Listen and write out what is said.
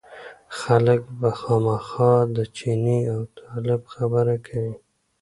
خلک به خامخا د چیني او طالب خبره کوي.